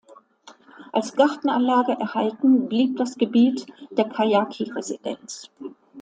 Als Gartenanlage erhalten blieb das Gebiet der Keyaki-Residenz.